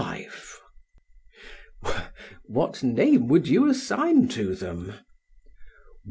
PHAEDRUS: What name would you assign to them?